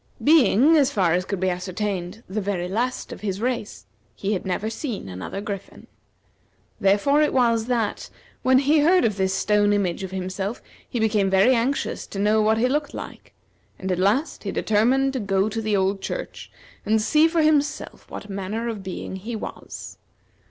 Being, as far as could be ascertained, the very last of his race, he had never seen another griffin. Therefore it was, that, when he heard of this stone image of himself, he became very anxious to know what he looked like, and at last he determined to go to the old church, and see for himself what manner of being he was.